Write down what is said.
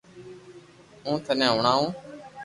ھون ٿني ھڻاو